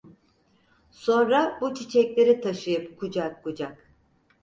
Sonra bu çiçekleri taşıyıp kucak kucak.